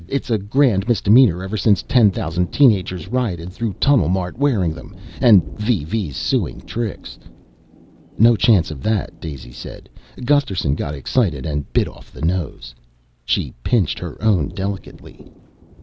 It's a grand misdemeanor ever since ten thousand teen agers rioted through Tunnel Mart wearing them. And VV's sueing Trix." "No chance of that," Daisy said. "Gusterson got excited and bit off the nose." She pinched her own delicately.